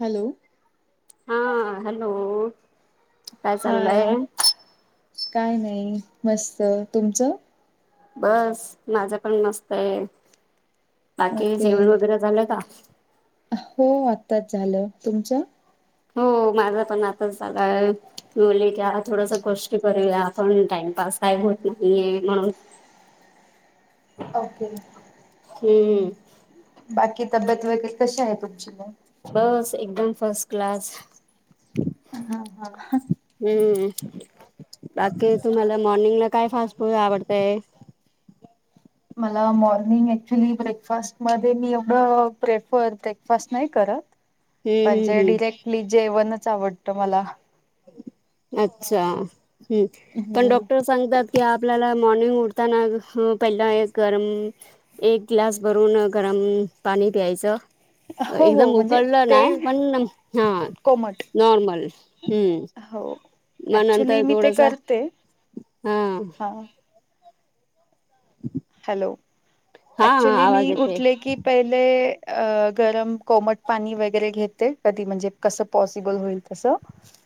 Hello. हा hello. काय hi. चाललंय काय नाही, मस्त. तुमचं? बस माझं पण मस्त आहे. बाकी ओके जेवण वगैर झालं का? हो आत्ताच झालं. तुमचं? हो माझं पण आताच झालंय. बोलली की आता थोडस कष्ट करूया, आपण टाइमपास काय होत नाहीये. म्हणून [inaudible] काय केलं? हम्म. बाकी तब्येत वगैरे कशी आहे तुमची मग? बस एकदम फसक्लास. हा, हा. हम्म. बाकी तुम्हाला मॉर्निंगला काय फास्ट फूड आवडतंय? मला मॉर्निंग ऍक्च्युली ब्रेकफास्टमध्ये मी एवढं प्रेफर ब्रेकफास्ट नाही करत. हम्म हम्म म्हणजे हम्म डिरेक्टली जेवणच आवडत मला. अच्छा हम्म, पण हम्म डॉक्टरच सांगतात की आपल्याला मॉर्निंग उठताना पहिला हं एक गरम एक ग्लास भरून गरम पाणी प्यायचं. हो हो एकदम म्हणजे उकळलं ते नाही, पण हा कोमट नॉर्मल. हम्म. हो मग ऍक्च्युली नंतर मी ते थोडासा करते. हा हा. हॅलो, हा हा ऍक्चुली आवाज मी येते उठले की पहिले अ गरम कोमट पाणी वगैरे घेते. कधी म्हणजे कसं पॉसिबल होईल तसं.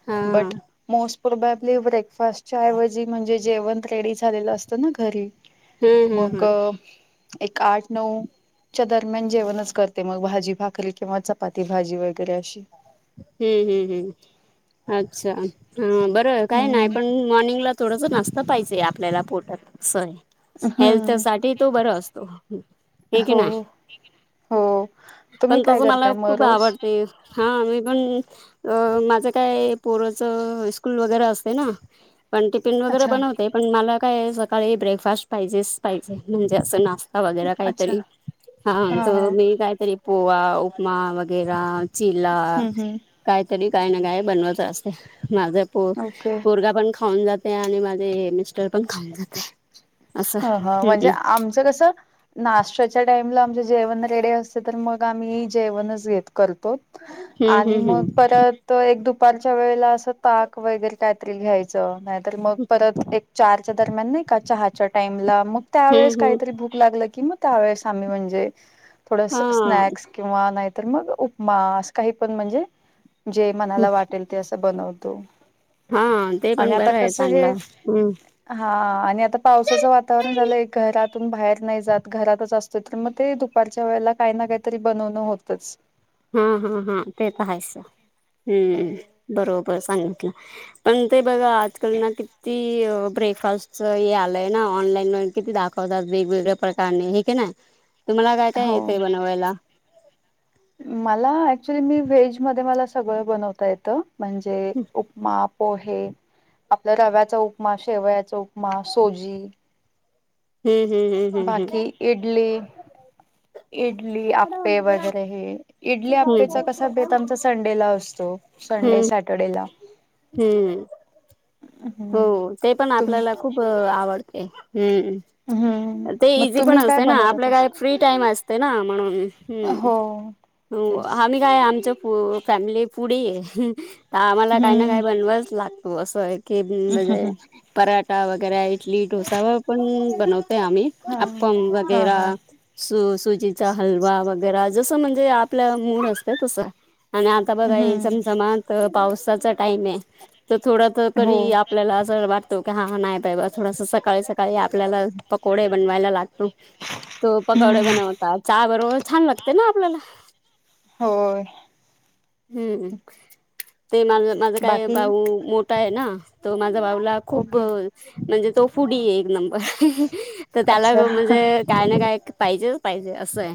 हा. बट मोस्ट प्रोबॅबली ब्रेकफास्टच्या ऐवजी म्हणजे जेवण रेडी झालेलं असतं ना घरी. हम्म हम्म मग हम्म एक आठ, नऊ च्या दरम्यान जेवणच करते मग भाजी भाकरी किंवा चपाती भाजी वगैरे अशी. हम्म, हम्म, हम्म. अच्छा हं बर काय नाही हम्म पण मॉर्निंगला थोडंस नास्ता पाहिजे, आपल्याला पोटात असय. हम्म हेल्थसाठी तो बर असतो. ठीक हे हो ना? हो तुम्ही पण काय तसं मला करताय मग खूप रोज आवडते. हा मी पण अ माझं काय पोरच स्कूल वगैरे असते ना. पण टिफिन वगैरे अच्छा बनवते. पण मला काय सकाळी ब्रेकफास्ट पाहिजेच पाहिजे, म्हणजे असं नाश ता वगैरा अच्छा काहीतरी, हा हा पोहा उपमा वगैर. चिल्ला हम्म हम्म काहीतरी काही ना काय बनवत असते. माझा पो ओके पोरगा पण खाऊन जातंय आणि माझे मिस्टरपण खाऊन जातंय. ह ह म्हणजे आमचं कसं नाश्त्याच्या टाईमला आमच जेवण रेडी असते तर, मग आम्ही जेवणच घेत करतो. हम्म आणि हम्म हम्म मग परत त एक दुपारच्या वेळेला असं ताक वगैरे काहीतरी घ्यायचं, नाहीतर मग परत एक चारच्या दरम्यान नाही का, चहाच्या टाईमला. मग त्यावेेळेस हम्म हम्म काहीतरी भूक लागलं की मग त्यावेळेस आम्ही म्हणजे थोडसं हम्म स्नॅक्स किंवा नाहीतर मग उपमा, असं काहीपण म्हणजे जे हा मनाला वाटेल ते असं बनवतो. हा ते आणि पण आता बरं आहे, कसं हे चांगलं हम्म. हा आणि आता पावसाचं वातावरण झालंय, घरातून बाहेर नाही जात. घरातच असतेत मग ते दु पारच्या वेळेला काही ना काही तरी बनवणं होतंच. हा हा हा ते त आहेस. हम्म बरोबर सांगितलं. पण ते बघा आजकाल ना किती ब्रेकफास्टच हे आलंय ना, ऑनलाईन [unintelligible] किती दाखव वतात वेगवेगळ्या प्रकारने, हे की ना. तुम्हाला काय काय हो येतंय बनवायला? मला ऍक्च्युली मी व्हेज मध्ये मला सगळं बनवता येतं. म्हणजे उपमा पोहे, आपल्या रव्याचा उपमा, शेवयाचा उपमा, सोजी हम्म हम्म हम्म. हम्म बाकी इडली, इडली आप्पे वगैरे हे इडली हम्म अप्पेचा कसा बेत आमचा संडेला असतो. हम्म संडे हम्म सॅटरडे ला. हम्म हो ते पण तुम आपल्याला खूप आवडते, हम्म. हम्म ते मग इझी पण तुम्ही काय असतंय ना. बनवतात आपल्या असं काय फ्री टाईम असते ना म्हणून. हम्म. हो हो तेच आम्ही काय आमच्या फो फॅमिली पुढेही आहे. तर आम्हाला काय ना हम्म काय बनवावच लागतो. अस आहे केबिन हम्म मध्ये हम्म पराठा वगैरा, इडली, डोसा व पण बनवतय आम्ही हा अप्पम हा वगैरा. हा सु सुजीचा हलवा वगैरा, जसं म्हणजे आपल्या मूड असत तसं. आणि आता बघा हे हम्म चमचमत पावसाचा टाइम आहे. तर थोडा तर हो करी आप आपल्याला असं वाटतो, की हा नाही बाई. थोडस सकाळी सकाळी आपल्याला पकोडे बनवायला लाग तो. तो पकवडा हम्म बनवता, चहा बरोबर छान लागतंय ना आपल्याला. होय. हम्म, ते माझ माझं काय बाकी भाऊ मोठा आहे ना. तो माझा बाऊला खूप ओके म्हणजे तो फुढि आहे एक नंबर. तर त्याला अच्छा म्हणजे काय ना काय पाहिजेच पाहिजे असं आहे.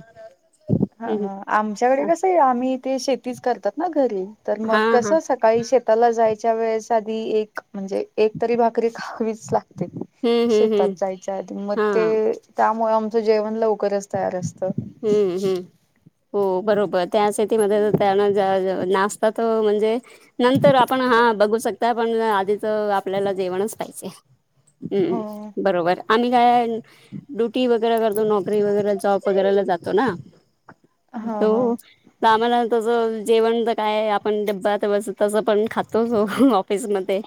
हा, हम्म हा. आमच्याकडे हा कसं आहे आम्ही ते शेतीच करतात ना घरी. तर मग हा कसं स सकाळी शेताला जायच्या वेळेस आधी एक म्हणजे एक तरी भाकरी खावीच लागते. हम्म हम्म शेतात हम्म जायच्या आधी, मग हा ते त्यामुळे आमचं जेवण लवकरच तयार असतं. हम्म हम्म. हो बरोबर, त्यासाठी मग त्यांना नाश्त्यात म्हणजे नंतर आपण हा बघू शकता, पण आधीच आपल्याला जेवणच पाहिजे. हो हम्म बरोबर. आम्ही काय ड्युटी वगैरा करतो, नोकरी वगैरा जॉब पगाराला जातो ना, हा हा तो आम्हाला तसं जेवण तर काय आपण डब्बा तवस तसं पण खातोचो ऑफिसमध्ये.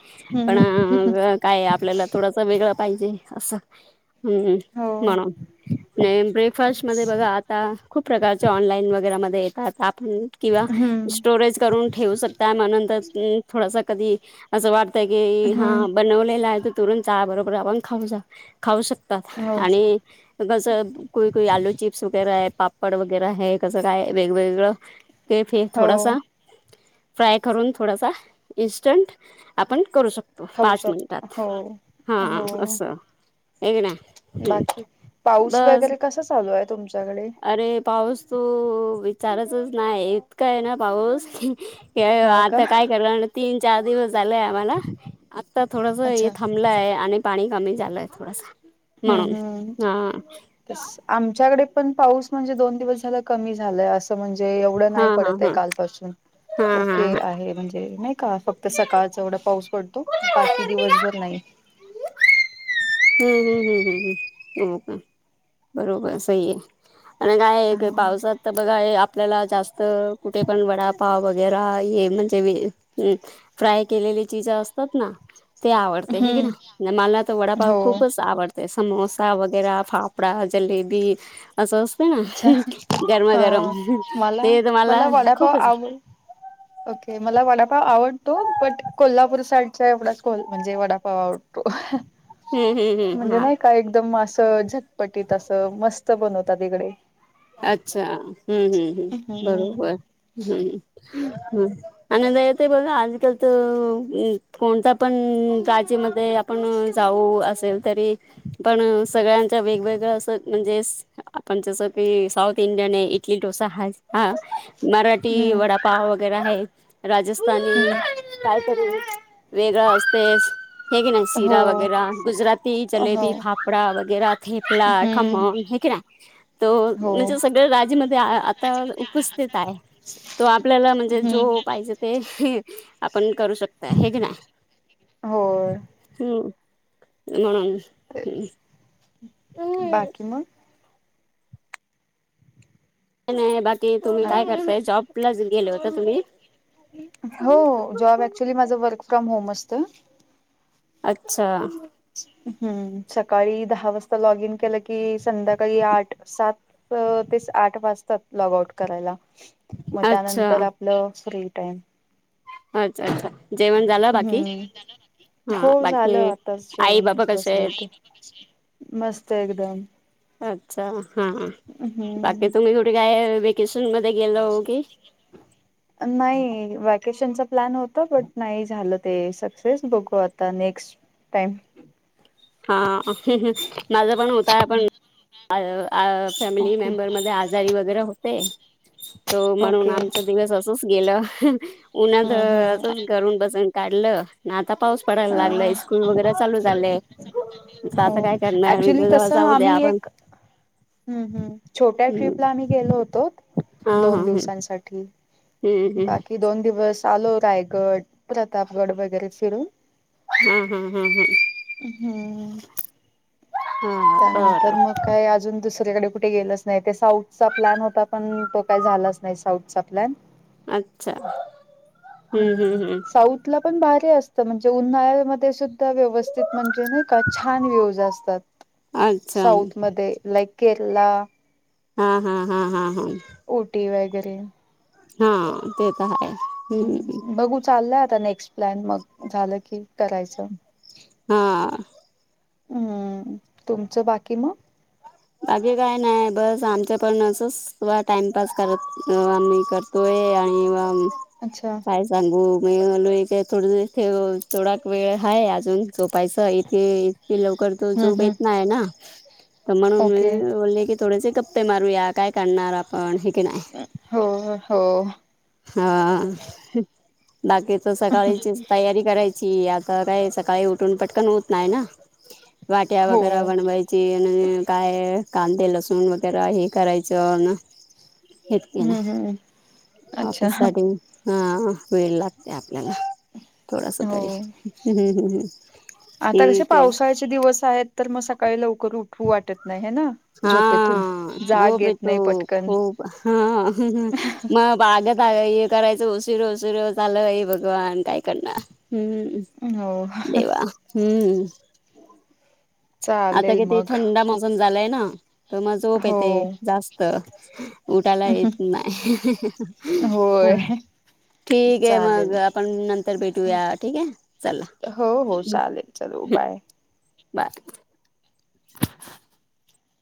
पण हम्म अ काय आपल्याला थोडसं वेगळं पाहिजे असं. हम्म, हम्म हो म्हणून नाही [unintelligible] तेच फर्स्टमध्ये बघा आता खूप प्रकारचे ऑनलाईन वगैरे मध्ये येतात. आपण किंवा हम्म स्टोरेज करून ठेवू शकता म्हणून तर अ थोडासा कधी असं वाटतंय की हा हम्म बनवलेला आहे तर तुरण चहा बरोबर आपण खाऊन जाऊ खाऊ शकत हो तो आणि कसं कोणी कोणी आलू चिप्स वगैरे आहे, पापड वगैरे हे कसं काय वेगवेगळं ते फे हो थोडासा फ्राय करून थोडासा, इन्स्टंट आपण करू शक तो खाऊ पाच शकतो मिनटात. हो हा हो असं हाय की नई. बाकी, पाऊस वगैरे कसं चालू आहे तुमच्याकडे? अरे पाऊस तू विचारचच नाही इतका आहे ना पाऊस, की [unintelligible] हा का आता काय केलं तीन चार दिवस झालंय आम्हाला आता थोडस हे अच्छा थांबलंय आणि पाणी कमी झालंय थोडसं. म्हणून हम्म हम्म हा. आमच्याकडे पण पाऊस म्हणजे दोन दिवस झालं कमी झालंय. असं म्हणजे एवढं नाही हा हा पडत आहे हा कालपासून. हा हा हा ओके आहे म्हणजे नाही का फक्त सकाळच एवढं पा ऊस पडतो बाकी दिवसभर नाही. हम्म, हम्म, हम्म, हम्म, हम्म. हो का? बरोबर सही है. आणि काय की हम्म पावसात तर बघा हे आ आपल्याला जास्त कुठे पण वडापाव वगैरा हे म्हणजे वे हम्म फ्राय केलेली चिज असतात ना ते आवडते हे ना? मला तर वडापाव हो खूपच आवडत. ते समोसा वगैराे फाफडा, जलेबी असं है ना अच्छा अ गरमागरम मला ते तर मला वडापाव खूपच आवड ओके मला वडापाव आवडतो. बट कोल्हापूर साईडच्या एवढाच कोल म्हणजे वडापाव आवडतो. हम्म, हम्म, हम्म हा. काय एकदम असं झटपटीत असं मस्त बनवतात इकडे. अच्छा. हम्म, हम्म, हम्म बरोबर हम्म हम्म. आणि आता येत बघा आजकाल तर अ कोणता पण काचेमध्ये पण जाऊ असेल तरी पण सगळ्यांच्या वेगवेगळं असं म्हणजे स आपण जसं की साऊथ इंडियन आहे. इडली, डोसा आहेच हा मराठी हम्म वडापाव वगैरे आहे. राजस्थानी हम्म काय तरी वेगळं असतेच. हे कनई हो. शिरा वगैरा गुजराती हो जलेबी, फापडा वगैरा ठेपला खमो हम्म हे की नाही तो हो म्हणजे सगळ राजेमध्ये आता उपस्थित आहे. तो आपल्याला म्हणजे जो हम्म पाहिजेत ते आपण करू शकताय. हे की नाही? होय. हम्म. म्हणून हम्म. बाकी मग. नाही बाकी तुम्ही हाय. काय करताय जॉबला गेले होते तुम्ही. हो जॉब ऍक्चुली माझं वर्क फ्रॉम होम असतं. अच्छा. हम्म सकाळी दहा वाजता लॉग इन केलं की संध्याकाळी आठ सात त तेच आठ वाजताच लॉग आउट करायला. मग अच्छा त्यानंतर आपलं फ्री टाईम. अच्छा, अच्छा. जेवण झालं हम्म बाकी जेवण झालं हो हा बाकी झालं आताच आई बाबा जेवूनच कसे बसले आहेत होते. मस्त एकदम. अच्छा हा बाकी हम्म तुम्ही कुठे काय वेकेशन मध्ये गेल ओ की. नाही वॅकेशनचा प्लान होत बट नाही झालं. ते सक्सेस बघू आता नेक्स्ट टाईम. हा हं हम्म हम्म माझं पण होता पण आ आ फॅमिली ओके मेंबरमध्ये आ जारी वगैरे होते तो म्हणून ओके आमचा दिवस असच गेलं अ हं. उन्हा ज हम्म असच घरून बसून काढलं. ना आता पाऊस पडायला लागलाय हम्म स्कूल वगैरे चालू झालेय. ता हो आता काय करणार मी पण ऍक्च्युली म्हणले जाऊद्या आपण ह्म ह्म छोट्या हम्म ट्रीपला आम्ही गेलो होतो हा हा दोन ह दिवसांसाठी हम्म बाकी दोन दिवस आलो रायगड, प्रतापगड वगैरे फिरून. हम्म हम हम् हम्. हम्म. हा हा हा ह हा त्यानंतर बरं मग काय अजून दुसऱ्याकडे कुठ ठे गेलोच नाही ते साऊथचा प्लॅन होता पण तो काही झालाच नाही साऊथचा प्लॅन. अच्छा हम्म साऊथ थलापण भारी असत म्हणजे उन्हाळ्यामध्ये सुद्धा व्यवस्थित म्हणजे नाही का छान व्यूज असतात. अच्छा साऊथ मध्ये लाईक केरला. हा हा हा हा हम्म. ऊटी वगैरे. हा ते तर आहे. हम्म बघू चाललंय आता नेक्स्ट प्लॅन मग झालं की करायचं. हा. हम्म तुमचं बाकी मग. बाकी काय नाही बस आमच्या पण असच व टाईमपास करत आम्ही करत तोय आणि वाम अच्छा. काय सांगू मी म्हणलो हे काय थोडे दिवस ठेव थोडाक वेळ आहे अजून झोप पायचं इथे इतकी लवकर तर हम्म झोप येत हम्म नाही ना. तर म्हणून ओके मी बोलले की थोडेसे गप्पे मारूया काय कारणार आपण हाय की नाही. हो हो. हा बाकीच सकाळीचीच तयारी कराय ची आता काय सकाळी उठून पटकन होत नाही ना वाट्या हो वगैरे बनवाय ची काय कांदे लसूण वगैरे हे करायचं ना. हम्म हम्म. अच्छा ऑफिससाठी हा वेळ लागते आपल्याला. थोडासा तरी हो हम्म ह्म हं आता कसे ठिक आहे. पावसाळ्याचे दिवस आहेत तर मग सकाळी लवकर उठू वाटत नाही हाय ना. हा झोपेतून जाग झोप येत येतो नाही पटकन खूप हा म बागत हे करायचं उसिर उसिर झालं हे भगवान काय करणार. हम्म, हो देवा हम्म. आता चालेल किती मग थंडा मोसम झालाय ना, तर म जोप हो येते जास्त. उटायला येत नाही, होय हा. ठीक आहे मग चालेल आपण नंतर भेटूया, ठीक हाय चला. हो हो चालेल चलू बाय. बाय. [inaudible]